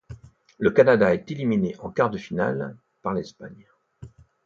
Le Canada est éliminé en quart de finale par l'Espagne.